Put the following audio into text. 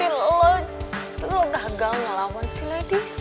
ya udah kita ke rumah